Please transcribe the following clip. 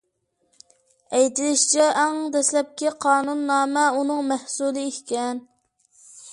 ئېيتىلىشىچە، ئەڭ دەسلەپكى قانۇننامە ئۇنىڭ مەھسۇلى ئىكەن.